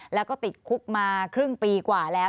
แล้วก็ติดคุกมาครึ่งปีกว่าแล้ว